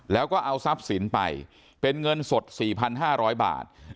แล้วก็เอาทรัพย์สินไปเป็นเงินสด๔๕๐๐บาท